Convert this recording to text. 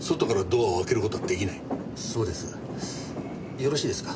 よろしいですか？